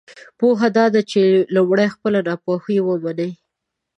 پوهه دا ده چې لمړی خپله ناپوهۍ ومنی!